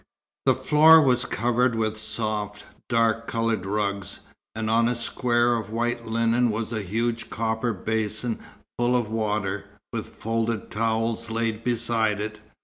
The floor was covered with soft, dark coloured rugs; and on a square of white linen was a huge copper basin full of water, with folded towels laid beside it.